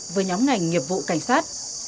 với nhóm ngành nghiệp vụ cảnh sát